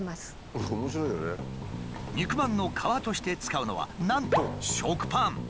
肉まんの皮として使うのはなんと食パン。